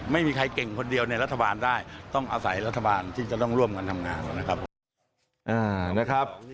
ไม่มีใครเก่งคนเดียวในรัฐบาลได้ต้องอาศัยรัฐบาลที่จะต้องร่วมกันทำงานนะครับ